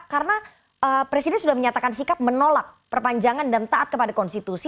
karena presiden sudah menyatakan sikap menolak perpanjangan dan taat kepada konstitusi